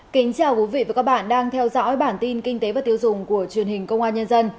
kính chào quý vị và các bạn đang theo dõi bản tin kinh tế và tiêu dùng của truyền hình công an nhân dân